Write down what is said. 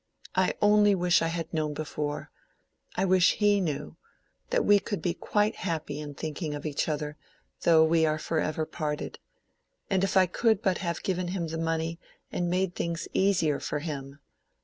"I only wish I had known before—I wish he knew—then we could be quite happy in thinking of each other, though we are forever parted. And if I could but have given him the money, and made things easier for him!"